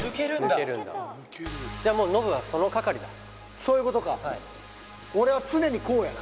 抜けるんだじゃもうノブはその係だそういうことか俺は常にこうやな